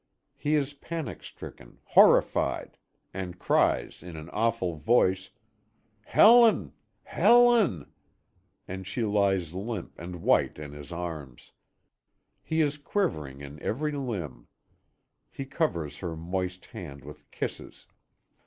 He is panic stricken, horrified, and cries in an awful voice: "Helen Helen!" And she lies limp and white in his arms. He is quivering in every limb. He covers her moist hand with kisses.